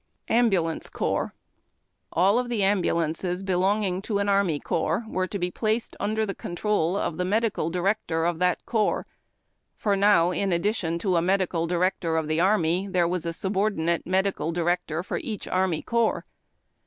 AMBULANCE CORPS. All of the ambulances belonging to an army corps were to be placed under the control of the medical director of that cor2:>s, for now, in addition to a medical director of the army, there was a subordinate medical director for each army corps.